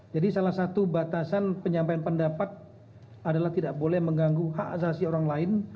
jadi salah satu batasan penyampaian pendapat adalah tidak boleh mengganggu hak asasi orang lain